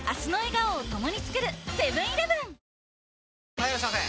・はいいらっしゃいませ！